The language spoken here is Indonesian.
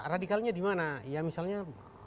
radikalnya dimana ya misalnya